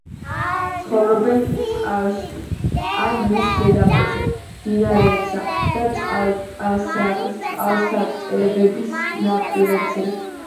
ცხოვრობენ წყალში ან მის ზედაპირზე, მდინარეებისა და წყალსატევების ნაპირებზე.